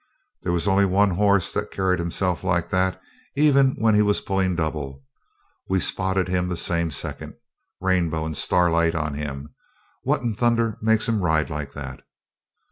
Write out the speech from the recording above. There was only one horse that carried himself like that, even when he was pulling double. We spotted him the same second. Rainbow and Starlight on him! What in thunder makes him ride like that?